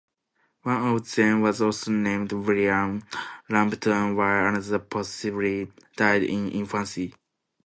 One of them was also named William Lambton while another possibly died in infancy.